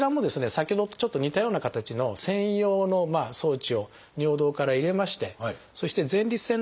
先ほどとちょっと似たような形の専用の装置を尿道から入れましてそして前立腺のですね